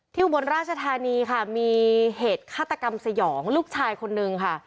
อุบลราชธานีค่ะมีเหตุฆาตกรรมสยองลูกชายคนนึงค่ะ